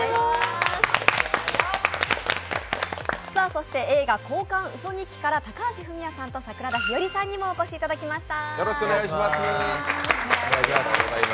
そして映画「交換ウソ日記」から高橋文哉さんと桜田ひよりさんにもお越しいただきました。